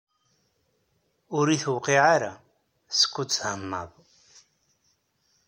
Ur yi-tewqiɛ ara, skud thennaḍ.